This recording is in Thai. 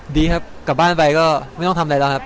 ดีครับกลับบ้านไปก็ไม่ต้องทำอะไรแล้วครับ